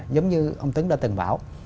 giống như ông tuấn đã từng bảo